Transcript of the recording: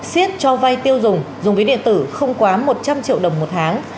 xiết cho vay tiêu dùng dùng ví điện tử không quá một trăm linh triệu đồng một tháng